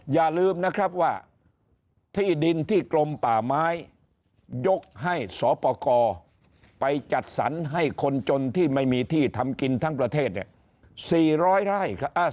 อย่าลืมนะครับว่าที่ดินที่กรมป่าไม้ยกให้สปกรไปจัดสรรให้คนจนที่ไม่มีที่ทำกินทั้งประเทศเนี่ย๔๐๐ไร่ครับ